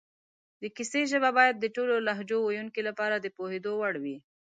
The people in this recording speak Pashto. د کیسې ژبه باید د ټولو لهجو ویونکو لپاره د پوهېدو وړ وي